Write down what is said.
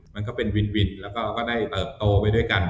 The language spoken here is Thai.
มันก็เป็นวินแล้วก็ได้เติบโตไปด้วยกัน